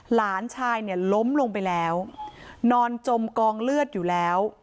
หลานชายเนี่ยล้มลงไปแล้วนอนจมกองเลือดอยู่แล้ว